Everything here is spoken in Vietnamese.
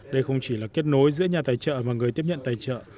đây không chỉ là kết nối giữa nhà tài trợ và người tiếp nhận tài trợ